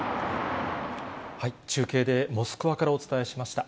中継でモスクワからお伝えしました。